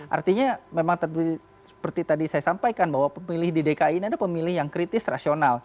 artinya memang seperti tadi saya sampaikan bahwa pemilih di dki ini adalah pemilih yang kritis rasional